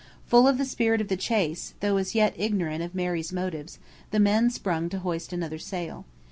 Full of the spirit of the chase, though as yet ignorant of Mary's motives, the men sprang to hoist another sail.